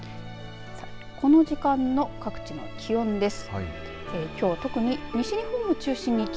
この時間の各地の気温です。